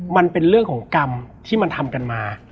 มันเป็นเรื่องของกรรมที่มันทำกันมา